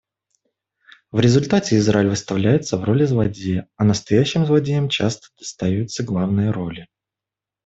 В результате Израиль выставляется в роли злодея, а настоящим злодеям часто достаются главные роли.